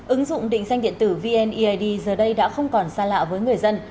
ứng dụng định danh điện tử vneid giờ đây đã không còn xa lạ với người dân